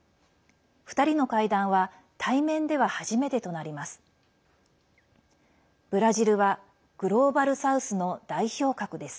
２人の会談は対面では初めてとなります。